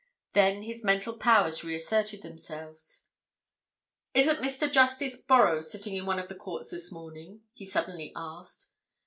Then his mental powers reasserted themselves. "Isn't Mr. Justice Borrow sitting in one of the courts this morning?" he suddenly asked.